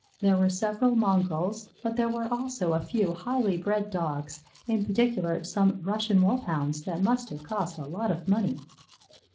There were several mongrels, but there were also a few highly bred Dogs in particular, some Russian Wolfhounds that must have cost a lot of money.